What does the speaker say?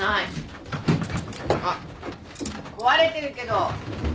あっ壊れてるけど。